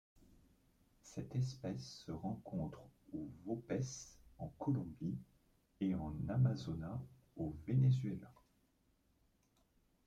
Cette espèce se rencontre au Vaupés en Colombie et en Amazonas au Venezuela.